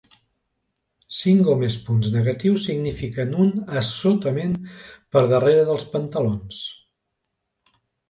Cinc o més punts negatius signifiquen un assotament per darrere dels pantalons.